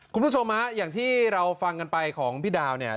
คุณผู้ชมฮะอย่างที่เราฟังกันไปของพี่ดาวเนี่ย